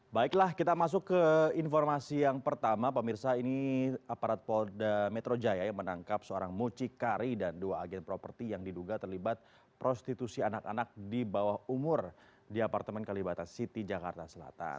baiklah kita masuk ke informasi yang pertama pemirsa ini aparat polda metro jaya yang menangkap seorang mucikari dan dua agen properti yang diduga terlibat prostitusi anak anak di bawah umur di apartemen kalibata city jakarta selatan